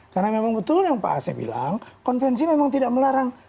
karena memang betul yang pak asya bilang konvensi memang tidak melarang